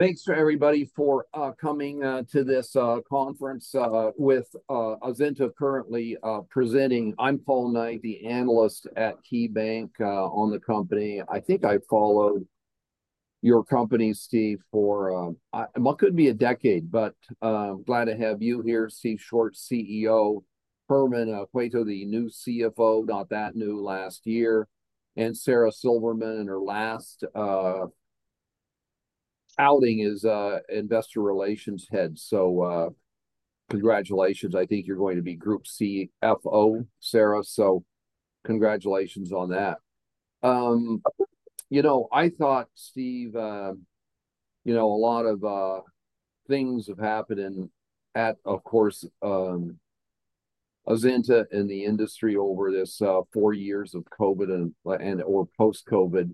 Thanks to everybody for coming this conference with Azenta currently presenting. I'm Paul Knight, the analyst at KeyBanc on the company. I think I followed your company, Steve, for what could be a decade, but glad to have you here, Steve Schwartz, CEO. Herman Rosenman, the new CFO, not that new, last year, and Sara Silverman in her last outing as investor relations head. So, congratulations. I think you're going to be group CFO, Sara, so congratulations on that. You know, I thought, Steve, you know, a lot of things have happened, of course, at Azenta and the industry over this four years of COVID and or post-COVID.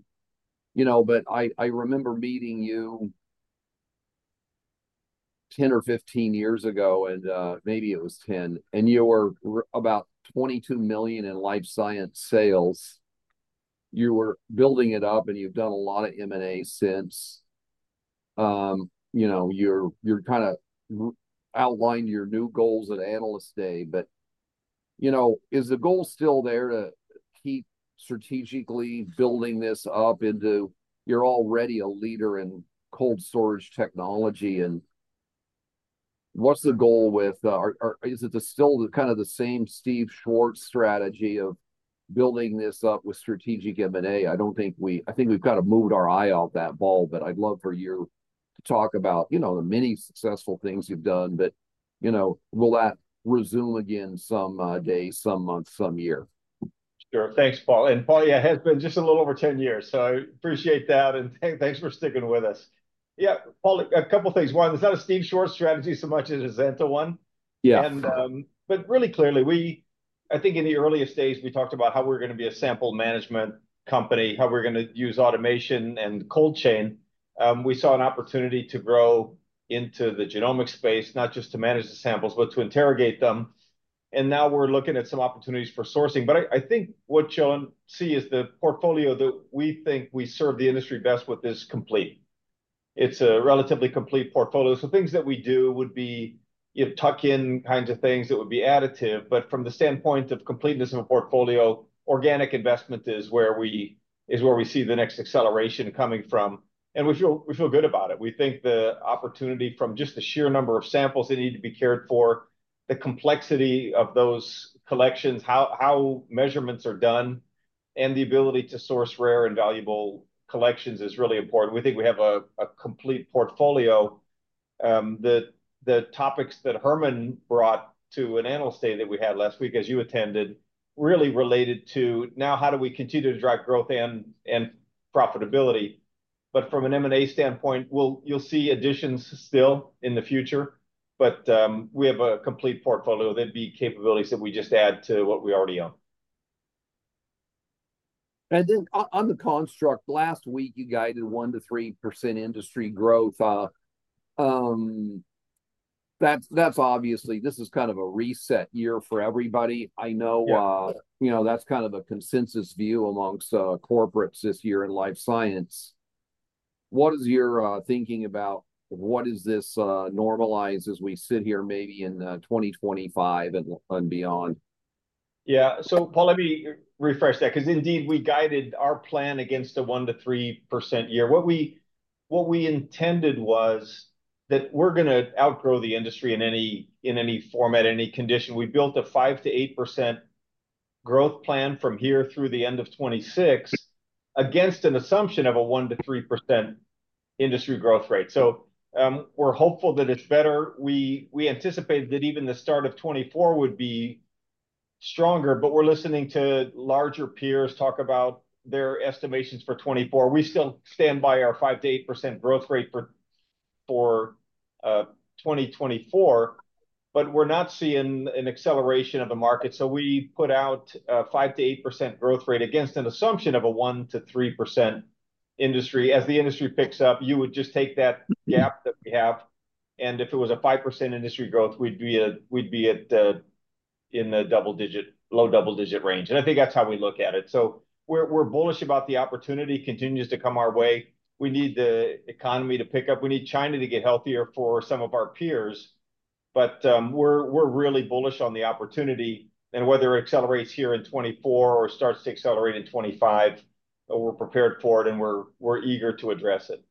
You know, but I remember meeting you 10 or 15 years ago, and maybe it was 10, and you were about $22 million in life science sales. You were building it up, and you've done a lot of M&A since. You know, you're kinda outlined your new goals at Analyst Day, but you know, is the goal still there, to keep strategically building this up into you're already a leader in cold storage technology, and what's the goal with, is it still the kind of the same Steve Schwartz strategy of building this up with strategic M&A? I don't think we—I think we've kind of moved our eye off that ball, but I'd love for you to talk about, you know, the many successful things you've done. You know, will that resume again, some day, some month, some year? Sure. Thanks, Paul, and Paul, yeah, it has been just a little over 10 years, so appreciate that, and thanks for sticking with us. Yeah, Paul, a couple things: One, it's not a Stephen Schwartz strategy so much as an Azenta one. Yeah. And, but really clearly, we I think in the earliest days, we talked about how we're gonna be a sample management company, how we're gonna use automation and cold chain. We saw an opportunity to grow into the genomic space, not just to manage the samples, but to interrogate them, and now we're looking at some opportunities for sourcing. But I, I think what you'll see is the portfolio that we think we serve the industry best with is complete. It's a relatively complete portfolio, so things that we do would be, you know, tuck-in kinds of things that would be additive. But from the standpoint of completeness in a portfolio, organic investment is where we, is where we see the next acceleration coming from, and we feel, we feel good about it. We think the opportunity from just the sheer number of samples that need to be cared for, the complexity of those collections, how measurements are done, and the ability to source rare and valuable collections is really important. We think we have a complete portfolio. The topics that Herman brought to an analyst day that we had last week, as you attended, really related to, now how do we continue to drive growth and profitability? But from an M&A standpoint, you'll see additions still in the future, but, we have a complete portfolio. They'd be capabilities that we just add to what we already own. And then on the construct, last week, you guided 1% to 3% industry growth. That's obviously this is kind of a reset year for everybody, I know. Yeah. You know, that's kind of a consensus view amongst corporates this year in life science. What is your thinking about what does this normalize as we sit here maybe in 2025 and beyond? Yeah, so Paul, let me refresh that, 'cause indeed, we guided our plan against a 1% to 3% year. What we intended was that we're gonna outgrow the industry in any format, any condition. We built a 5%-8% growth plan from here through the end of 2026, against an assumption of a 1% to 3% industry growth rate. So, we're hopeful that it's better. We anticipated that even the start of 2024 would be stronger, but we're listening to larger peers talk about their estimations for 2024. We still stand by our 5% to 8% growth rate for 2024, but we're not seeing an acceleration of the market. So we put out a 5% to 8% growth rate against an assumption of a 1% to 3% industry. As the industry picks up, you would just take that gap that we have, and if it was a 5% industry growth, we'd be, we'd be at, in the double digit, low double digit range, and I think that's how we look at it. So we're, we're bullish about the opportunity continues to come our way. We need the economy to pick up. We need China to get healthier for some of our peers, but, we're, we're really bullish on the opportunity. And whether it accelerates here in 2024 or starts to accelerate in 2025, we're prepared for it, and we're, we're eager to address it.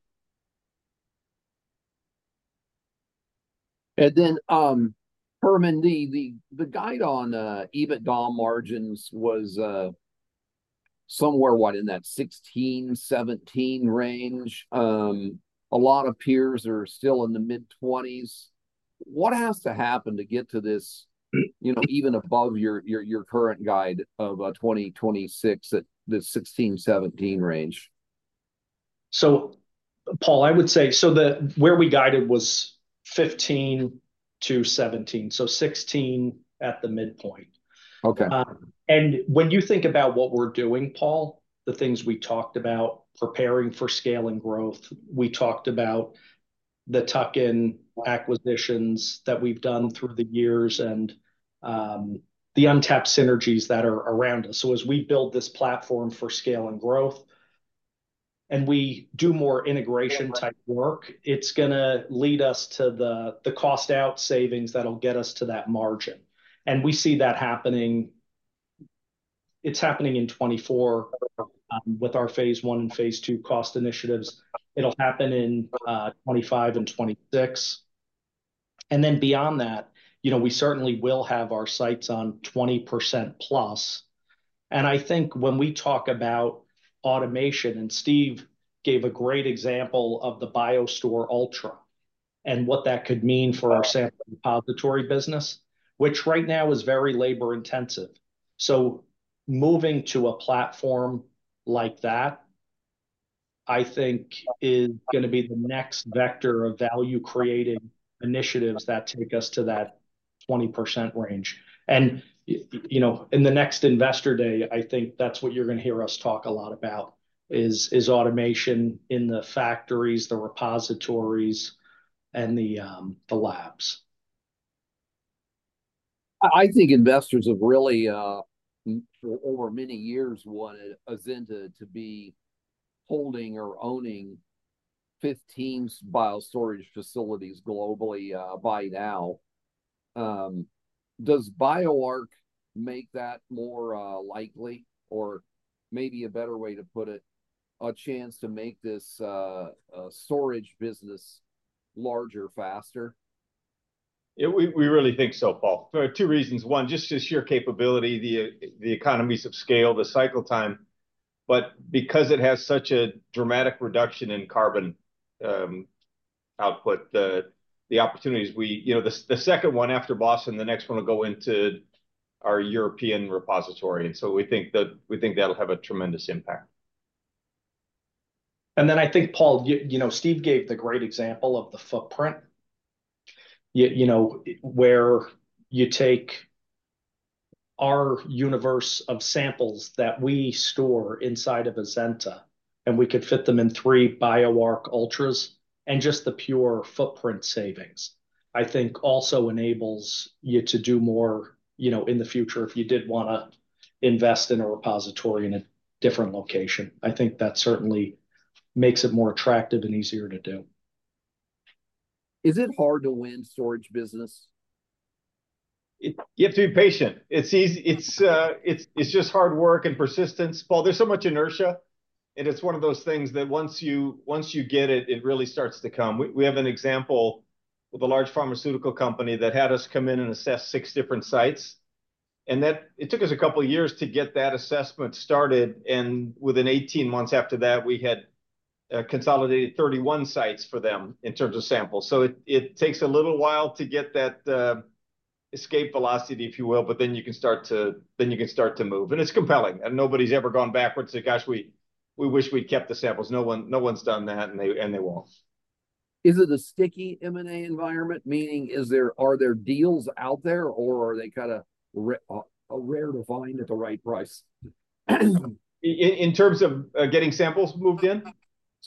And then, Herman, the guide on EBITDA margins was somewhere in that 16% to 17% range? A lot of peers are still in the mid-20s. What has to happen to get to this- Mm. You know, even above your current guide of 2026 at the 16 to 17 range? So Paul, I would say, where we guided was 15 to 17, so 16 at the midpoint. Okay. And when you think about what we're doing, Paul, the things we talked about, preparing for scale and growth, we talked about the tuck-in acquisitions that we've done through the years and the untapped synergies that are around us. So as we build this platform for scale and growth, and we do more integration-type work, it's gonna lead us to the cost out savings that'll get us to that margin, and we see that happening. It's happening in 2024 with our phase one and phase two cost initiatives. It'll happen in 2025 and 2026. And then beyond that, you know, we certainly will have our sights on 20%+. And I think when we talk about automation, and Steve gave a great example of the BioStore Ultra and what that could mean for our sample depository business, which right now is very labor-intensive. So moving to a platform like that, I think is gonna be the next vector of value-creating initiatives that take us to that 20% range. And you know, in the next investor day, I think that's what you're gonna hear us talk a lot about, is automation in the factories, the repositories, and the labs. I think investors have really, for over many years, wanted Azenta to be holding or owning 15 biostorage facilities globally, by now. Does BioArc make that more likely? Or maybe a better way to put it, a chance to make this storage business larger faster? Yeah, we really think so, Paul, for two reasons. One, just the sheer capability, the economies of scale, the cycle time, but because it has such a dramatic reduction in carbon output, the opportunities we you know, the second one after Boston, the next one will go into our European repository, and so we think that—we think that'll have a tremendous impact. Then I think, Paul, you know, Steve gave the great example of the footprint. You know, where you take our universe of samples that we store inside of Azenta, and we could fit them in 3 BioArc Ultras, and just the pure footprint savings, I think also enables you to do more, you know, in the future if you did wanna invest in a repository in a different location. I think that certainly makes it more attractive and easier to do. Is it hard to win storage business? You have to be patient. It's, it's just hard work and persistence. Paul, there's so much inertia, and it's one of those things that once you get it, it really starts to come. We have an example with a large pharmaceutical company that had us come in and assess six different sites, and that. It took us a couple years to get that assessment started, and within 18 months after that, we had consolidated 31 sites for them in terms of samples. So it takes a little while to get that escape velocity, if you will, but then you can start to move, and it's compelling, and nobody's ever gone backwards, said, "Gosh, we wish we'd kept the samples." No one's done that, and they won't. Is it a sticky M&A environment, meaning is there, are there deals out there, or are they kind of rare to find at the right price? In terms of getting samples moved in?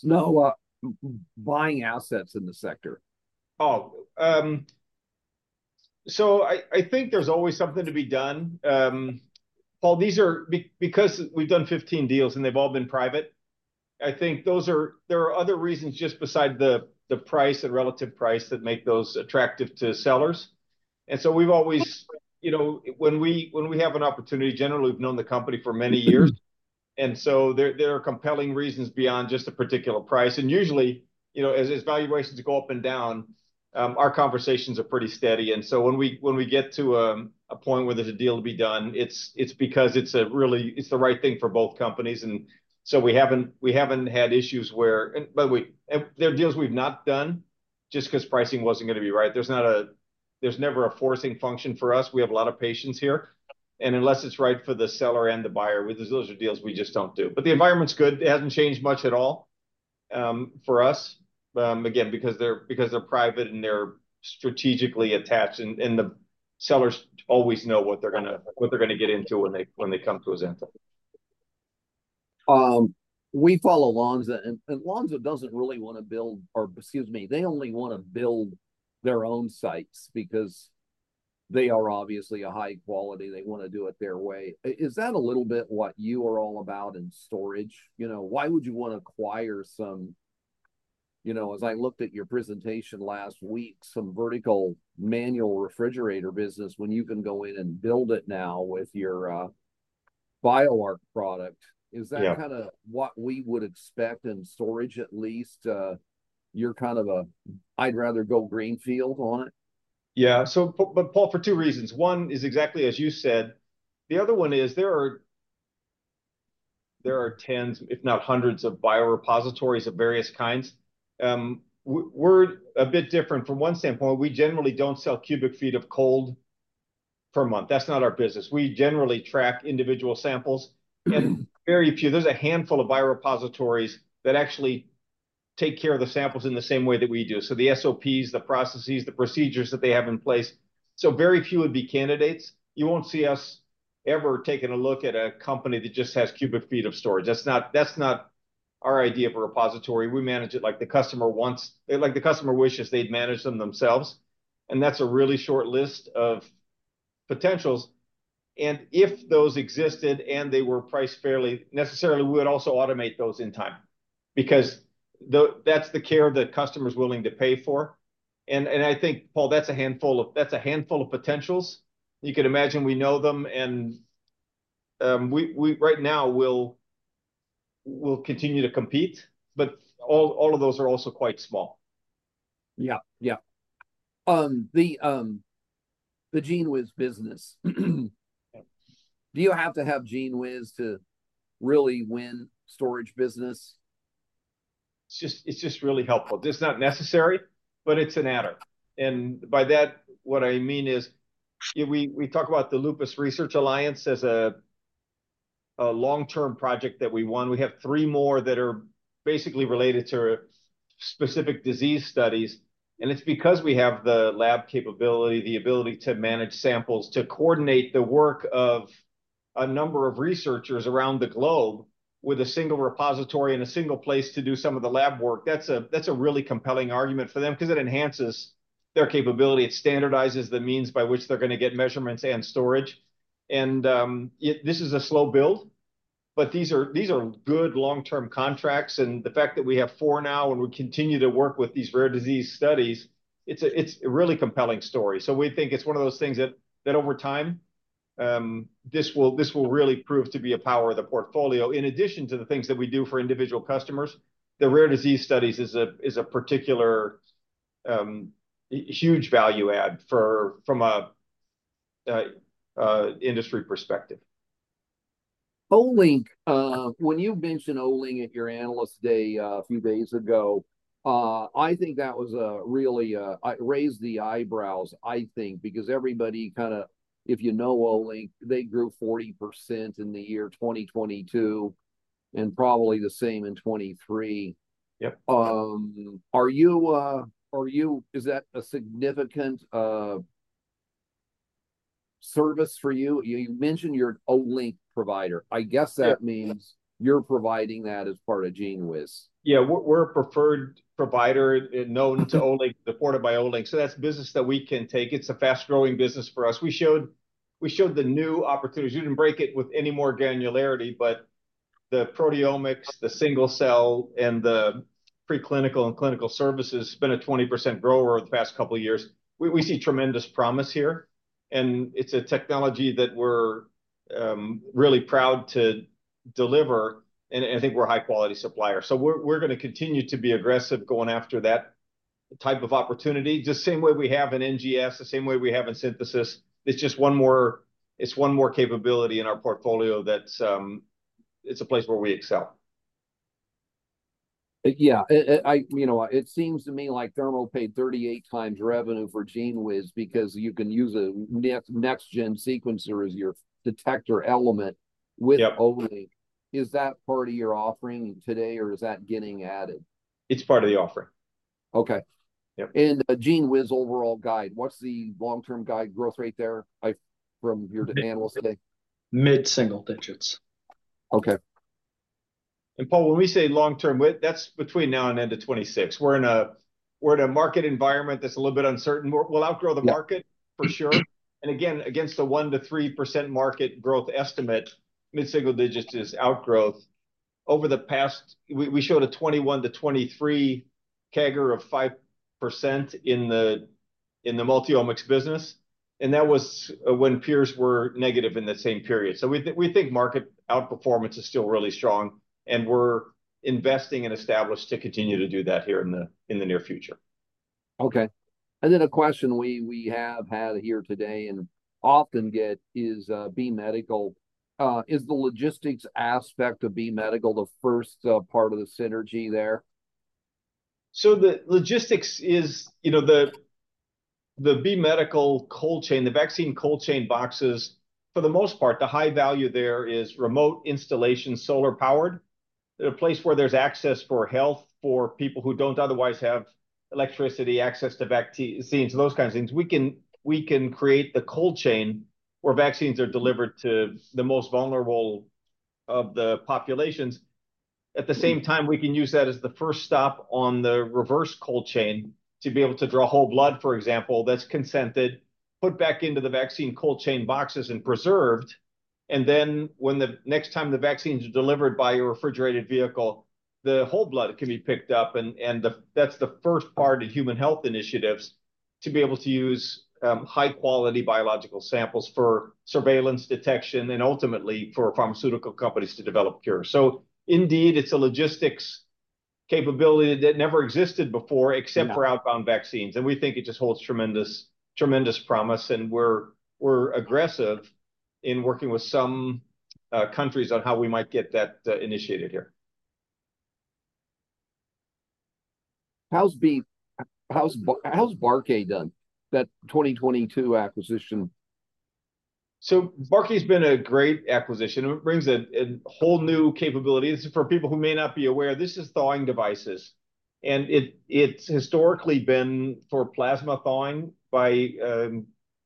No, buying assets in the sector. So I think there's always something to be done. Paul, these are because we've done 15 deals, and they've all been private. I think those are there are other reasons just beside the price and relative price that make those attractive to sellers, and so we've always you know, when we have an opportunity, generally we've known the company for many years. And so there are compelling reasons beyond just a particular price, and usually, you know, as valuations go up and down, our conversations are pretty steady. And so when we get to a point where there's a deal to be done, it's because it's the right thing for both companies, and so we haven't had issues where. But there are deals we've not done just 'cause pricing wasn't gonna be right. There's never a forcing function for us. We have a lot of patience here, and unless it's right for the seller and the buyer, we just those are deals we just don't do. But the environment's good. It hasn't changed much at all, for us. Again, because they're private, and they're strategically attached, and the sellers always know what they're gonna get into when they come to Azenta. We follow Lonza, and Lonza doesn't really wanna build. Or excuse me, they only wanna build their own sites, because they are obviously a high quality. They wanna do it their way. Is that a little bit what you are all about in storage? You know, why would you wanna acquire some, you know, as I looked at your presentation last week, some vertical manual refrigerator business, when you can go in and build it now with your BioArc product? Yeah. Is that kind of what we would expect in storage at least, you're kind of a, "I'd rather go greenfield on it? Yeah, so but Paul, for two reasons. One is exactly as you said. The other one is, there are tens, if not hundreds, of biorepositories of various kinds. We're a bit different. From one standpoint, we generally don't sell cubic feet of cold per month. That's not our business. We generally track individual samples and very few. There's a handful of biorepositories that actually take care of the samples in the same way that we do, so the SOPs, the processes, the procedures that they have in place, so very few would be candidates. You won't see us ever taking a look at a company that just has cubic feet of storage. That's not our idea of a repository, we manage it like the customer wants. They, like the customer wishes they'd manage them themselves, and that's a really short list of potentials. If those existed, and they were priced fairly, necessarily we would also automate those in time, because that's the care the customer's willing to pay for. I think, Paul, that's a handful of, that's a handful of potentials. You can imagine we know them, and we right now will, we'll continue to compete, but all of those are also quite small. Yeah. Yeah. The GENEWIZ business. Do you have to have GENEWIZ to really win storage business? It's just, it's just really helpful. It's not necessary, but it's an adder, and by that, what I mean is, yeah, we talk about the Lupus Research Alliance as a long-term project that we won. We have three more that are basically related to specific disease studies, and it's because we have the lab capability, the ability to manage samples, to coordinate the work of a number of researchers around the globe with a single repository and a single place to do some of the lab work. That's a really compelling argument for them, 'cause it enhances their capability. It standardizes the means by which they're gonna get measurements and storage. And, it. This is a slow build, but these are good long-term contracts, and the fact that we have four now, and we continue to work with these rare disease studies. It's a really compelling story. So we think it's one of those things that over time, this will really prove to be a power of the portfolio. In addition to the things that we do for individual customers, the rare disease studies is a particular huge value add from a industry perspective. Olink. When you mentioned Olink at your Analyst Day, a few days ago, I think that was a really it raised the eyebrows, I think, because everybody kinda if you know Olink, they grew 40% in the year 2022, and probably the same in 2023. Yep. Is that a significant service for you? You mentioned you're an Olink provider. Yeah. I guess that means you're providing that as part of GENEWIZ. Yeah, we're a preferred provider and known to Olink, supported by Olink, so that's business that we can take. It's a fast-growing business for us. We showed the new opportunities. We didn't break it with any more granularity, but the proteomics, the single cell, and the pre-clinical and clinical services has been a 20% grower over the past couple of years. We see tremendous promise here, and it's a technology that we're really proud to deliver, and I think we're a high-quality supplier. So we're gonna continue to be aggressive going after that type of opportunity, just same way we have in NGS, the same way we have in synthesis. It's just one more capability in our portfolio that. It's a place where we excel. Yeah, you know, it seems to me like Thermo paid 38x revenue for GENEWIZ, because you can use a next-gen sequencer as your detector element- Yep With Olink. Is that part of your offering today, or is that getting added? It's part of the offering. Okay. Yep. The GENEWIZ overall guide, what's the long-term guide growth rate there, like from your Analyst Day? Mid-single digits. Okay. And, Paul, when we say long-term, that's between now and end of 2026. We're in a market environment that's a little bit uncertain. We'll outgrow the market- Yeah For sure, and again, against the 1%-3% market growth estimate, mid-single digits is outgrowth. Over the past, we showed a 2021 to 2023 CAGR of 5% in the multi-omics business, and that was when peers were negative in the same period. So we think market outperformance is still really strong, and we're investing and established to continue to do that here in the near future. Okay, and then a question we have had here today, and often get, is B Medical. Is the logistics aspect of B Medical the first part of the synergy there? So the logistics is, you know, the B Medical cold chain, the vaccine cold chain boxes. For the most part, the high value there is remote installation, solar-powered. In a place where there's access for health for people who don't otherwise have electricity, access to vaccines, those kinds of things, we can create the cold chain where vaccines are delivered to the most vulnerable of the populations. At the same time, we can use that as the first stop on the reverse cold chain to be able to draw whole blood, for example, that's consented, put back into the vaccine cold chain boxes and preserved, and then when the next time the vaccines are delivered by a refrigerated vehicle, the whole blood can be picked up, and the, that's the first part of human health initiatives, to be able to use high-quality biological samples for surveillance detection, and ultimately for pharmaceutical companies to develop cures. So indeed, it's a logistics capability that never existed before- No Except for outbound vaccines, and we think it just holds tremendous, tremendous promise, and we're aggressive in working with some countries on how we might get that initiated here. How's Barkey done, that 2022 acquisition? So Barkey's been a great acquisition. It brings a whole new capability. This is for people who may not be aware, this is thawing devices and it's historically been for plasma thawing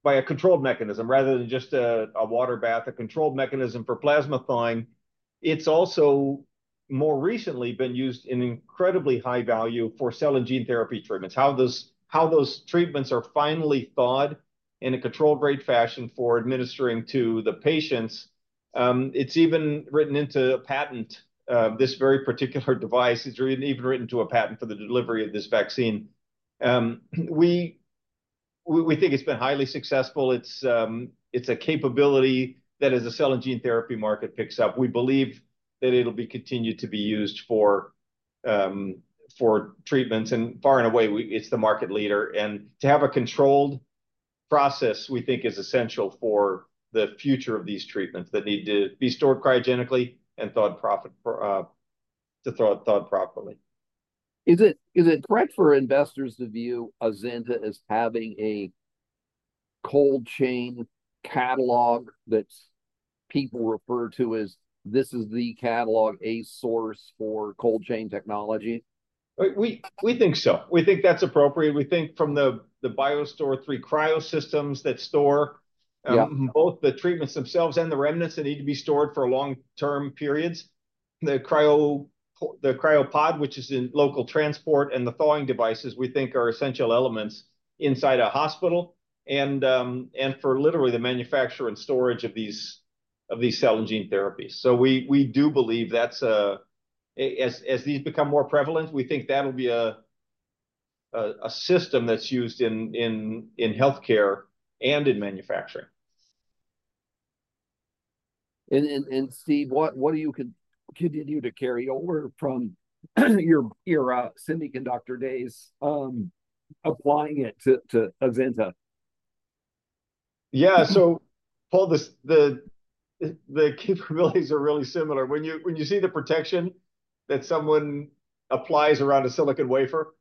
by a controlled mechanism, rather than just a water bath. A controlled mechanism for plasma thawing. It's also more recently been used in incredibly high value for cell and gene therapy treatments. How those treatments are finally thawed in a controlled rate fashion for administering to the patients. It's even written into a patent, this very particular device is even written to a patent for the delivery of this vaccine. We think it's been highly successful. It's a capability that as the cell and gene therapy market picks up, we believe that it'll be continued to be used for treatments, and far and away, it's the market leader. And to have a controlled process, we think, is essential for the future of these treatments that need to be stored cryogenically and thawed properly. Is it, is it correct for investors to view Azenta as having a cold chain catalog that's people refer to as, "This is the catalog, a source for cold chain technology? We think so. We think that's appropriate. We think from the BioStore III cryo systems that store- Yeah Both the treatments themselves and the remnants that need to be stored for long-term periods. The CryoPod, which is in local transport, and the thawing devices, we think, are essential elements inside a hospital, and for literally the manufacture and storage of these cell and gene therapies. So we do believe that's as these become more prevalent, we think that'll be a system that's used in healthcare and in manufacturing. And Steve, what are you continuing to carry over from your semiconductor days, applying it to Azenta? Yeah, so Paul, the capabilities are really similar. When you, when you see the protection that someone applies around a silicon wafer-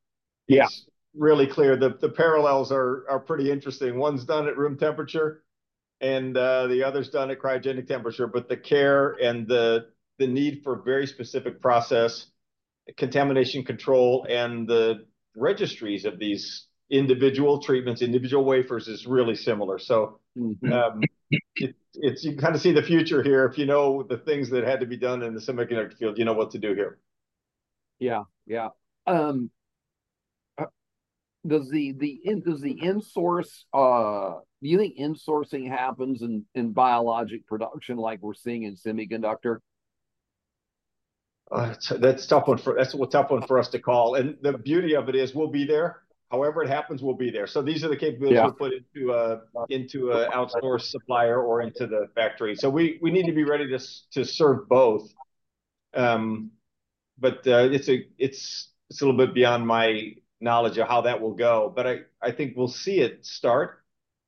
Yeah It's really clear. The parallels are pretty interesting. One's done at room temperature, and the other's done at cryogenic temperature. But the care and the need for very specific process, contamination control, and the registries of these individual treatments, individual wafers, is really similar. So- Mm-hmm. It's you kind of see the future here. If you know the things that had to be done in the semiconductor field, you know what to do here. Yeah. Yeah. Do you think insourcing happens in biologic production like we're seeing in semiconductor? That's a tough one for that's a tough one for us to call, and the beauty of it is we'll be there. However it happens, we'll be there. So these are the capabilities- Yeah We'll put into an outsourced supplier or into the factory. So we need to be ready to serve both. But it's a little bit beyond my knowledge of how that will go, but I think we'll see it start.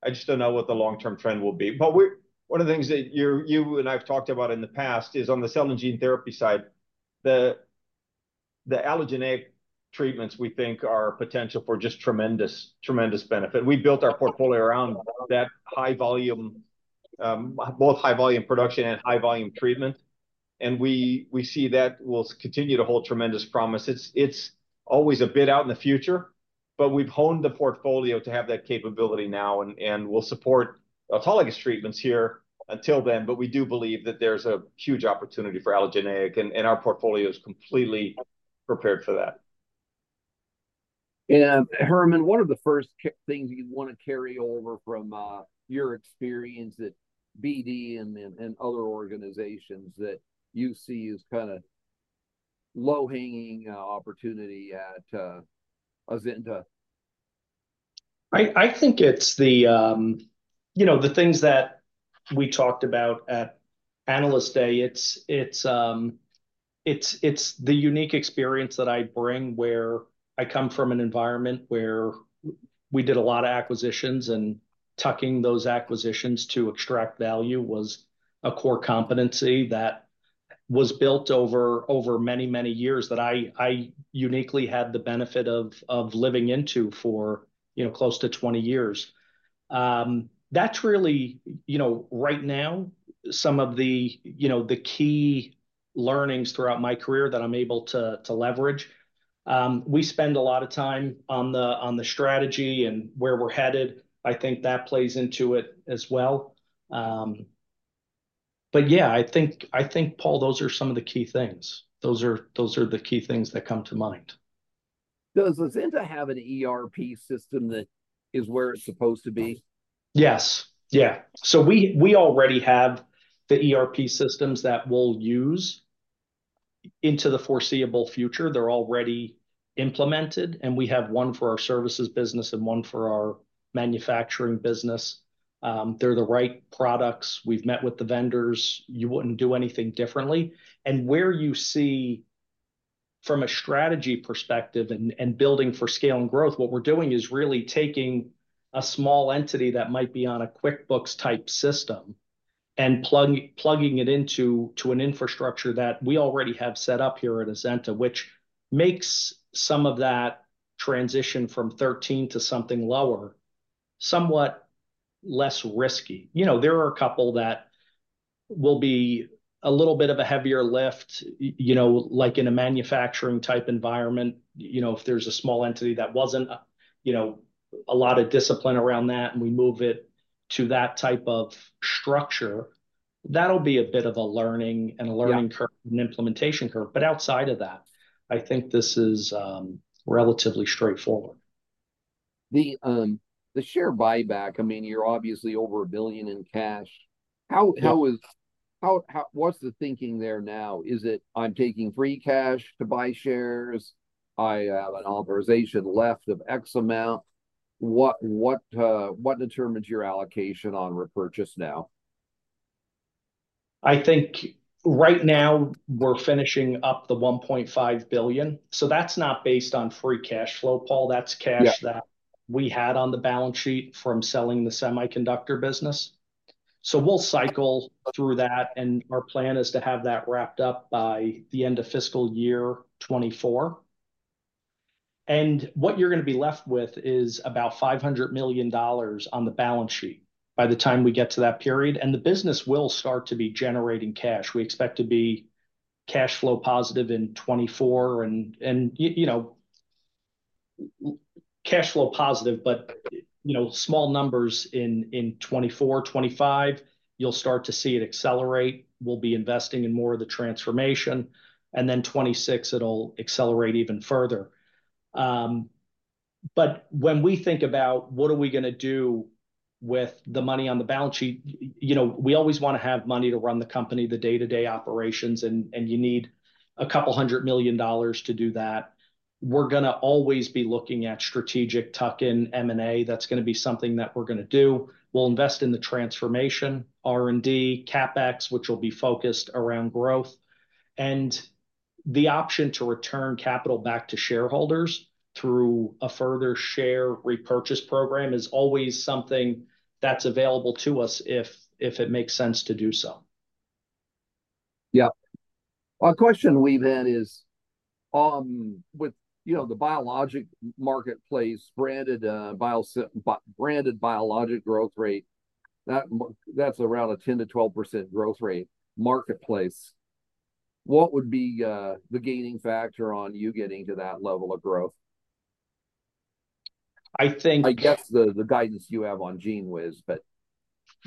I just don't know what the long-term trend will be. But one of the things that you and I have talked about in the past is on the cell and gene therapy side, the allogeneic treatments, we think, are potential for just tremendous, tremendous benefit. We built our portfolio around that high-volume, both high-volume production and high-volume treatment, and we see that will continue to hold tremendous promise. It's always a bit out in the future, but we've honed the portfolio to have that capability now, and we'll support autologous treatments here until then. But we do believe that there's a huge opportunity for allogeneic, and our portfolio is completely prepared for that. Herman, what are the first things you'd wanna carry over from your experience at BD and then other organizations that you see as kind of low-hanging opportunity at Azenta? I think it's the, you know, the things that we talked about at Analyst Day. It's the unique experience that I bring, where I come from an environment where we did a lot of acquisitions, and tucking those acquisitions to extract value was a core competency that was built over many, many years, that I uniquely had the benefit of living into for, you know, close to 20 years. That's really, you know, right now, some of the, you know, the key learnings throughout my career that I'm able to leverage. We spend a lot of time on the strategy and where we're headed. I think that plays into it as well. But yeah, I think, Paul, those are some of the key things. Those are, those are the key things that come to mind. Does Azenta have an ERP system that is where it's supposed to be? Yes. Yeah. So we already have the ERP systems that we'll use into the foreseeable future. They're already implemented, and we have one for our services business and one for our manufacturing business. They're the right products. We've met with the vendors. You wouldn't do anything differently. And where you see from a strategy perspective and building for scale and growth, what we're doing is really taking a small entity that might be on a QuickBooks-type system and plugging it into an infrastructure that we already have set up here at Azenta, which makes some of that transition from 13 to something lower less risky. You know, there are a couple that will be a little bit of a heavier lift. You know, like in a manufacturing-type environment, you know, if there's a small entity that wasn't, you know, a lot of discipline around that, and we move it to that type of structure, that'll be a bit of a learning, and a learning- Yeah Curve and implementation curve. But outside of that, I think this is relatively straightforward. The share buyback, I mean, you're obviously over $1 billion in cash. Yeah. How is what's the thinking there now? Is it, "I'm taking free cash to buy shares? I have an authorization left of X amount"? What determines your allocation on repurchase now? I think right now we're finishing up the $1.5 billion, so that's not based on free cash flow, Paul. Yeah. That's cash that we had on the balance sheet from selling the semiconductor business. So we'll cycle through that, and our plan is to have that wrapped up by the end of fiscal year 2024. What you're gonna be left with is about $500 million on the balance sheet by the time we get to that period, and the business will start to be generating cash. We expect to be cash flow positive in 2024, and you know, cash flow positive, but you know, small numbers in 2024, 2025. You'll start to see it accelerate. We'll be investing in more of the transformation, and then 2026, it'll accelerate even further. But when we think about what are we gonna do with the money on the balance sheet, you know, we always wanna have money to run the company, the day-to-day operations, and you need a couple hundred million dollars to do that. We're gonna always be looking at strategic tuck-in M&A. That's gonna be something that we're gonna do. We'll invest in the transformation, R&D, CapEx, which will be focused around growth. And the option to return capital back to shareholders through a further share repurchase program is always something that's available to us if it makes sense to do so. Yeah. A question we've had is, with, you know, the biologic marketplace, branded biologic growth rate, that's around a 10% to 12% growth rate marketplace, what would be the gaining factor on you getting to that level of growth? I think- I guess the guidance you have on GENEWIZ, but.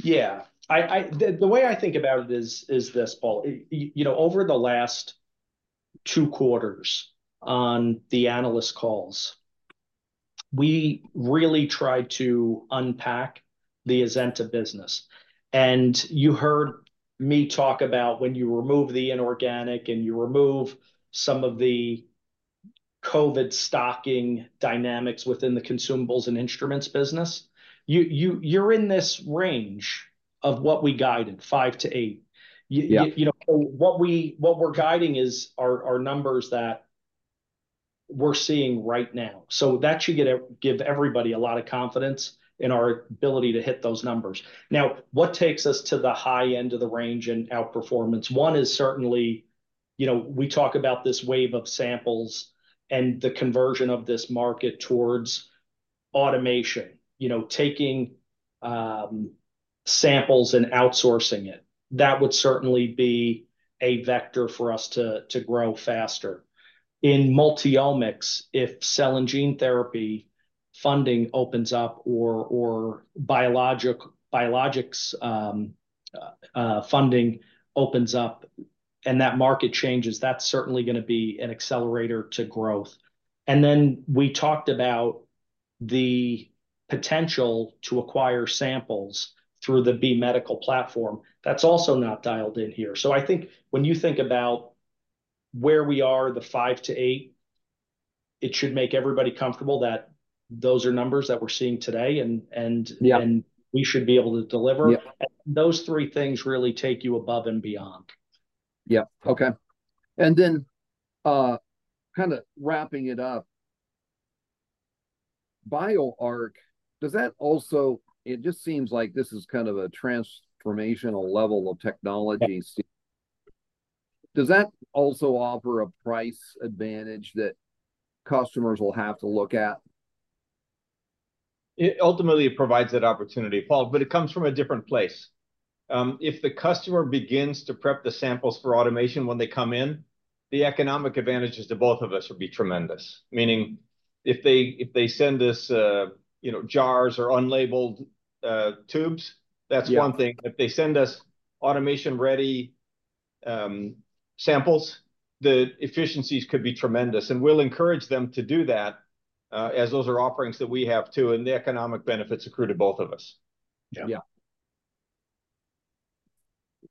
Yeah. The way I think about it is this, Paul. You know, over the last two quarters on the analyst calls, we really tried to unpack the Azenta business. And you heard me talk about when you remove the inorganic, and you remove some of the COVID stocking dynamics within the consumables and instruments business, you're in this range of what we guided, five to eight. Yeah. You know, so what we're guiding is our numbers that we're seeing right now. So that should give everybody a lot of confidence in our ability to hit those numbers. Now, what takes us to the high end of the range and outperformance? One is certainly, you know, we talk about this wave of samples and the conversion of this market towards automation. You know, taking samples and outsourcing it. That would certainly be a vector for us to grow faster. In multiomics, if cell and gene therapy funding opens up or biologics funding opens up, and that market changes, that's certainly gonna be an accelerator to growth. And then we talked about the potential to acquire samples through the B Medical platform. That's also not dialed in here. I think when you think about where we are, the five to eight, it should make everybody comfortable that those are numbers that we're seeing today, and. Yeah And we should be able to deliver. Yeah. Those three things really take you above and beyond. Yeah, okay. And then, kind of wrapping it up, BioArc, does that also it just seems like this is kind of a transformational level of technology. Yeah. Does that also offer a price advantage that customers will have to look at? It ultimately, it provides that opportunity, Paul, but it comes from a different place. If the customer begins to prep the samples for automation when they come in, the economic advantages to both of us would be tremendous. Meaning, if they, if they send us, you know, jars or unlabeled, tubes- Yeah That's one thing. If they send us automation-ready samples, the efficiencies could be tremendous, and we'll encourage them to do that, as those are offerings that we have, too, and the economic benefits accrue to both of us. Yeah. Yeah.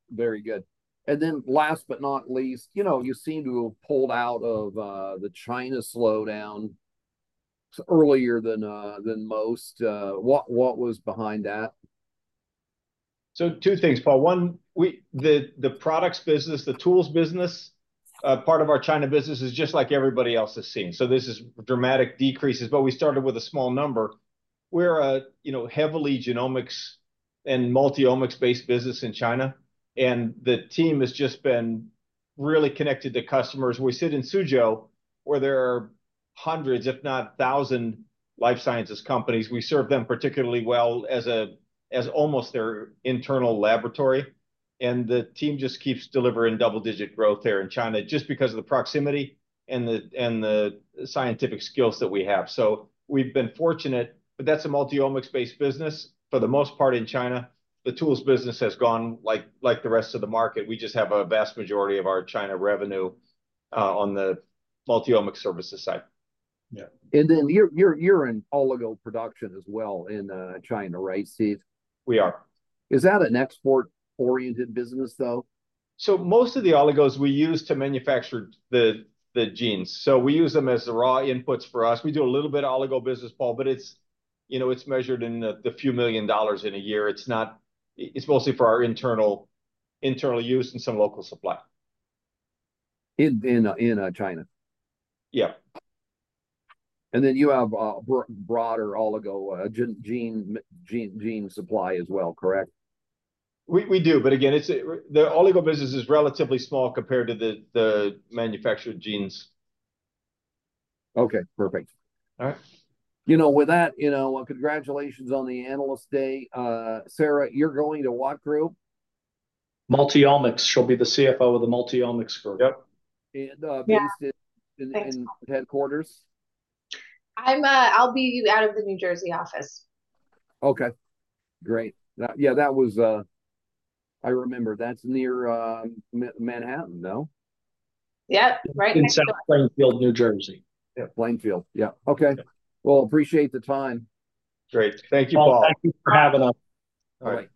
Very good. And then last but not least, you know, you seem to have pulled out of the China slowdown earlier than most. What was behind that? So two things, Paul. One, we, the products business, the tools business, part of our China business is just like everybody else has seen. So this is dramatic decreases, but we started with a small number. We're a, you know, heavily genomics and multiomics-based business in China, and the team has just been- Really connected to customers. We sit in Suzhou, where there are hundreds, if not thousand, life sciences companies. We serve them particularly well as a, as almost their internal laboratory, and the team just keeps delivering double-digit growth there in China, just because of the proximity and the, and the scientific skills that we have. So we've been fortunate, but that's a multi-omics-based business. For the most part in China, the tools business has gone like, like the rest of the market. We just have a vast majority of our China revenue on the multi-omics services side. Yeah. And then you're in oligo production as well in China, right, Steve? We are. Is that an export-oriented business, though? Most of the oligos we use to manufacture the genes. We use them as the raw inputs for us. We do a little bit of oligo business, Paul, but it's, you know, it's measured in a few million dollars a year. It's not it's mostly for our internal use and some local supply. In China? Yeah. And then you have broader oligo, gene, gene supply as well, correct? We do, but again, it's the oligo business is relatively small compared to the manufactured genes. Okay, perfect. All right. You know, with that, you know, congratulations on the Analyst Day. Sara, you're going to what group? Multi-omics. She'll be the CFO of the Multi-omics group. Yep. And, uh- Yeah Based in, in headquarters? I'm I'll be out of the New Jersey office. Okay, great. Now, yeah, that was. I remember, that's near Manhattan, no? Yep, right- In South Plainfield, New Jersey. Yeah, Plainfield. Yeah, okay. Yeah. Well, appreciate the time. Great. Thank you, Paul. Paul, thank you for having us. All right.